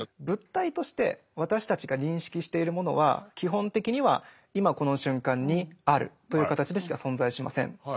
物体として私たちが認識しているものは基本的には「いまこの瞬間にある」という形でしか存在しません。